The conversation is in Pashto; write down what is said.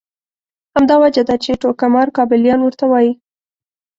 همدا وجه ده چې ټوکمار کابلیان ورته وایي.